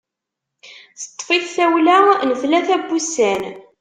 Teṭṭef-it tawla n tlata n wussan.